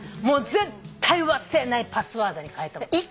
もう絶対忘れないパスワードに変えたもん。